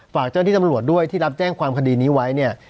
ฝากเจ้าหน้าที่ตำรวจด้วยที่รับแจ้งความคดีนี้ไว้เนี่ย